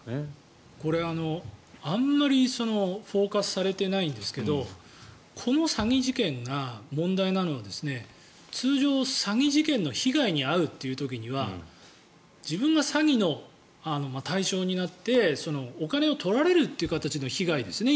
これ、あまりフォーカスされてないんですけどこの詐欺事件が問題なのは通常、詐欺事件の被害に遭うという時には自分が詐欺の対象になってお金を取られるという形の被害ですね。